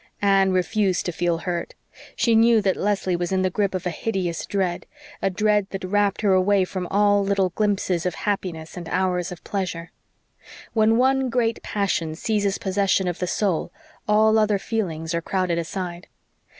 Anne refused to feel hurt. She knew that Leslie was in the grip of a hideous dread a dread that wrapped her away from all little glimpses of happiness and hours of pleasure. When one great passion seizes possession of the soul all other feelings are crowded aside.